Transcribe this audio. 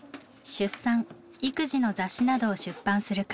出産育児の雑誌などを出版する会社。